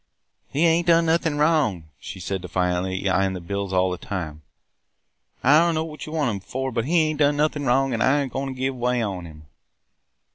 "'He ain't done nothin' wrong!' she said defiantly, yet eyeing the bills all the time. 'I dunno what you want him for, but he ain't done nothin' wrong an' I ain't goin' to give way on him!'